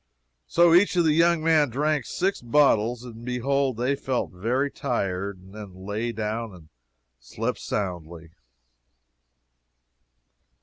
So each of the young men drank six bottles, and behold they felt very tired, then, and lay down and slept soundly.